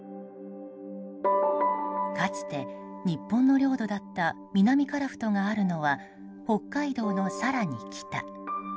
かつて日本の領土だった南樺太があるのは北海道の更に北。